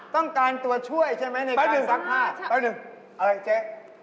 ทำหนึ่งอะไรเจ๊